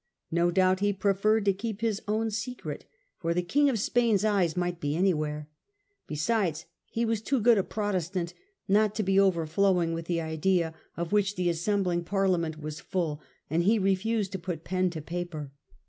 No doubt he preferred to keep his own secret, for the King of Spain's eyes might be anywhere ; besides, he was too good a Protestant not to be overflowing with the idea of which the assembling Parliament was full, and he refused to put pen to paper.